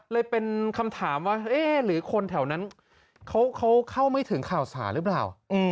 เลยเป็นคำถามว่าเอ๊ะหรือคนแถวนั้นเขาเข้าไม่ถึงข่าวสารหรือเปล่า